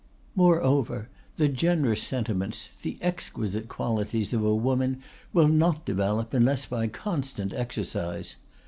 Moreover, the generous sentiments, the exquisite qualities of a woman will not develop unless by constant exercise.